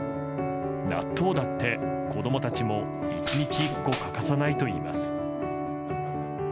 納豆だって、子供たちも１日１個欠かさないといいます。